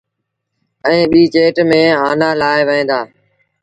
ائيٚݩ ٻيٚ چيٽ ميݩ آنآ لآوهيݩ دآ۔